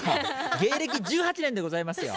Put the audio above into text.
芸歴１８年でございますよ。